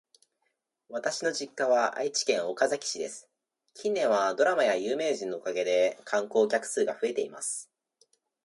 私の実家は愛知県岡崎市です。近年はドラマや有名人のおかげで観光客数が増えています。